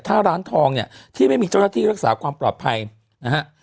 ถ้าร้านทองเนี่ยที่ไม่มีเจ้าหน้าที่รักษาความปลอดภัยนะฮะ